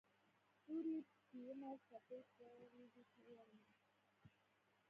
ستوري پېیمه څپې په غیږکې وړمه